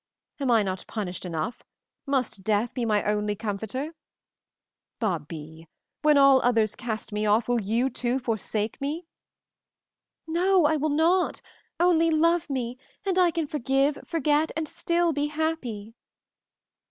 Am I not punished enough? Must death be my only comforter? Babie, when all others cast me off, will you too forsake me?" "No, I will not! Only love me, and I can forgive, forget, and still be happy!"